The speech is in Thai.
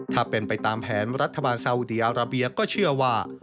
ถ้าเป็นไปตามแผนรัฐบาลซาอุดีอาราเบียก็เชื่อว่า